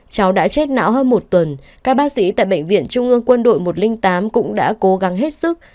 cháu đã chết não hơn một tuần các bác sĩ tại bệnh viện trung ương quân đội một trăm linh tám cũng đã cố gắng hết sức